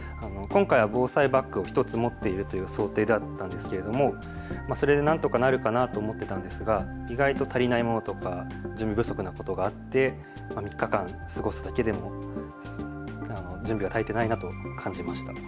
今回は防災バッグを１つ持っているという想定だったんですけれども、それでなんとかなるかなと思っていたんですが、意外と足りないものとか準備不足のなことがあって３日間過ごすだけでも準備が足りていないなと感じました。